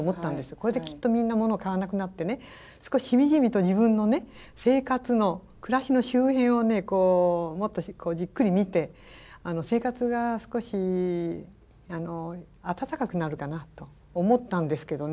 これできっとみんなモノを買わなくなって少ししみじみと自分の生活の暮らしの周辺をもっとじっくり見て生活が少し温かくなるかなと思ったんですけどね。